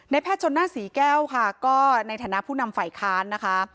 แพทย์ชนหน้าศรีแก้วค่ะก็ในฐานะผู้นำฝ่ายค้านนะคะ